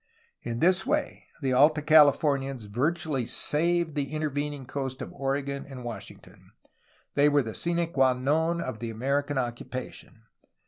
In this way the Alta Californians virtually saved the intervening coast of Oregon and Wash ington. They were the sine qua non of the American occupa tion.